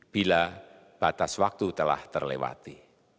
bila batas waktu telah terlewati